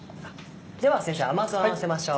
では先生甘酢合わせましょう。